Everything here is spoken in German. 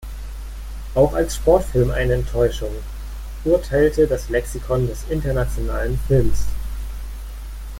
Auch als Sportfilm eine Enttäuschung“, urteilte das "Lexikon des internationalen Films".